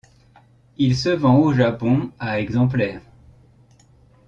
Il se vend au Japon à exemplaires.